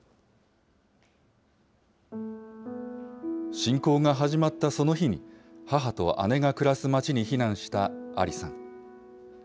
侵攻が始まったその日に、母と姉が暮らす町に避難したアリさん。